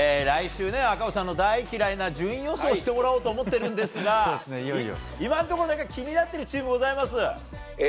来週、赤星さんの大嫌いな順位予想してもらおうと思ってるんですが今のところ気になっているチームございます？